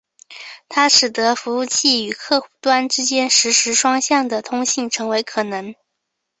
它使得服务器和客户端之间实时双向的通信成为可能。